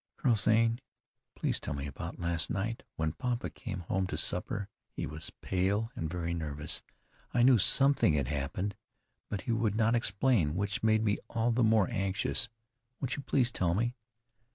"Colonel Zane, please tell me about last night. When papa came home to supper he was pale and very nervous. I knew something had happened. But he would not explain, which made me all the more anxious. Won't you please tell me?"